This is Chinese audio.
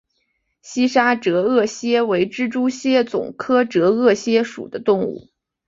西沙折额蟹为蜘蛛蟹总科折额蟹属的动物。